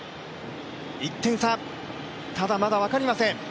１点差、ただ、まだ分かりません。